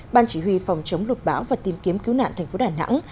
ban chỉ huy phòng chống lụt bão và tìm kiếm cứu nạn thành phố đà nẵng